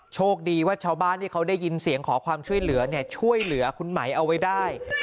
โชคดีว่าชาวบ้านที่เขาได้ยินเสียงขอความช่วยเหลือเนี่ยช่วยเหลือคุณไหมเอาไว้ได้